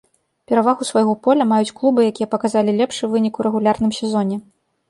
Перавагу свайго поля маюць клубы, якія паказалі лепшы вынік у рэгулярным сезоне.